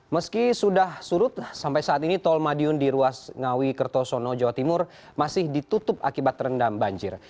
meski sudah surut sampai saat ini tol madiun di ruas ngawi kertosono jawa timur masih ditutup akibat terendam banjir